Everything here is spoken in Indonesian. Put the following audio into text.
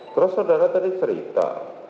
terus saudara tadi cerita